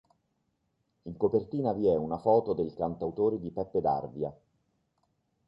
In copertina vi è una foto del cantautore di Peppe D'Arvia.